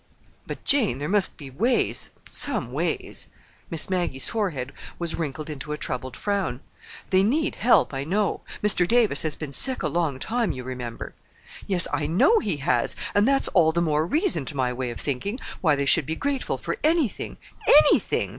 "But, Jane, there must be ways—some ways." Miss Maggie's forehead was wrinkled into a troubled frown. "They need help, I know. Mr. Davis has been sick a long time, you remember." "Yes, I know he has; and that's all the more reason, to my way of thinking, why they should be grateful for anything—anything!